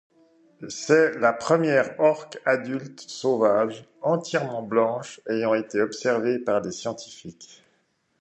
C'est la première orque adulte sauvage entièrement blanche ayant été observée par des scientifiques.